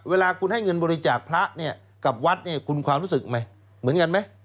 เวลาคุณให้เงินบริจาคพระกับวัดคุณความรู้สึกเหมือนกันไหม